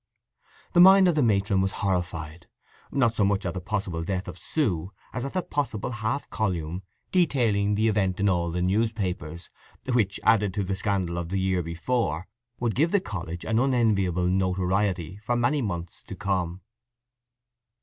The mind of the matron was horrified—not so much at the possible death of Sue as at the possible half column detailing that event in all the newspapers, which, added to the scandal of the year before, would give the college an unenviable notoriety for many months to come.